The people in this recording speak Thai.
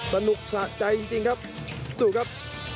สนุกสะใจจริงครับดูครับ